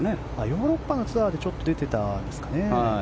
ヨーロッパのツアーでちょっと出てたんですかね。